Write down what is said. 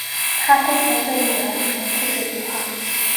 她不停对女儿重复这句话